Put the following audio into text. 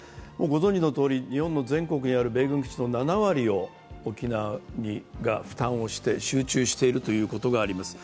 ご存じのとおり、日本全国にある米軍基地の７割を沖縄が負担をして、集中しているということがあります。